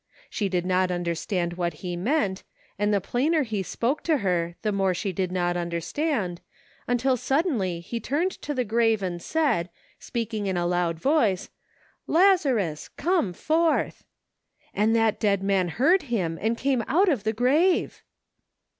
She did not understand what he meant, and the plainer he spoke to her the more she did not understand, until suddenly he turned to the grave and said, speaking in a loud voice, ' Lazarus, come forth.' And that dead man heard him and came out of the grave